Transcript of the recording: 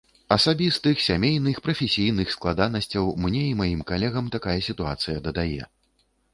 Асабістых, сямейных, прафесійных складанасцяў мне і маім калегам такая сітуацыя дадае.